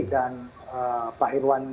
dan pak irwan